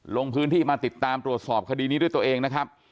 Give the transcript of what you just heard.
ลงพื้นที่มาติดตามตรวจสอบคดีนี้ด้วยตัวเองนะครับ